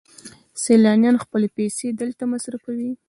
سیلانیان خپلې پیسې دلته مصرفوي.